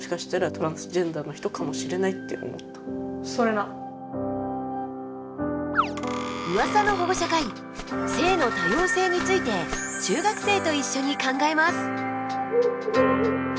今回「ウワサの保護者会」性の多様性について中学生と一緒に考えます！